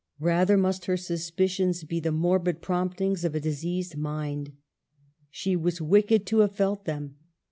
Rather must her suspicions be the morbid promptings of a diseased mind. She was wicked to have felt them.